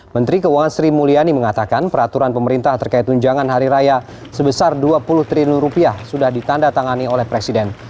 menteri keuangan sri mulyani mengatakan peraturan pemerintah terkait tunjangan hari raya sebesar dua puluh triliun rupiah sudah ditanda tangani oleh presiden